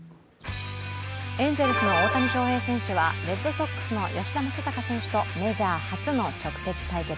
エンゼルスの大谷翔平選手はレッドソックスの吉田正尚選手とメジャー初の直接対決。